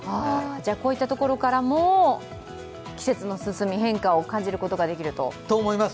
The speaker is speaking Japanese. こういったところからも季節の進み、変化を感じることができると。